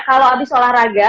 kalau abis olahraga